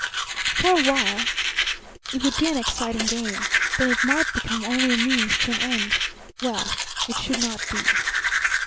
For a while it would be an exciting game; then it might become only a means to an end. Well, it should not be.